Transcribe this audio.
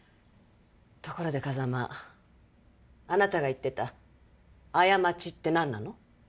ところで風間あなたが言ってた「過ち」ってなんなの？